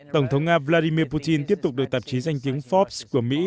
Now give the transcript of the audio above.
tổng thống nga vladimir putin tiếp tục được tạp chí danh tiếng forbes của mỹ